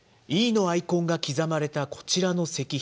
ｅのアイコンが刻まれたこちらの石碑。